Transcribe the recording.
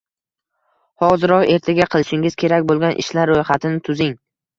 Hoziroq ertaga qilishingiz kerak bo’lgan ishlar ro’yxatini tuzing